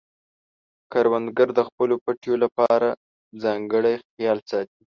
کروندګر د خپلو پټیو لپاره ځانګړی خیال ساتي